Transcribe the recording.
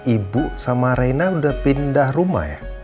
ibu sama reina udah pindah rumah ya